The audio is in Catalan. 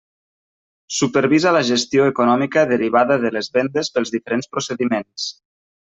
Supervisa la gestió econòmica derivada de les vendes pels diferents procediments.